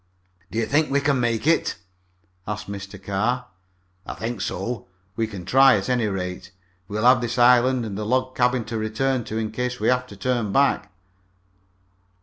"Do you think we can make it?" asked Mr. Carr. "I think so. We can try, at any rate. We'll have this island and the log cabin to return to in case we have to turn back."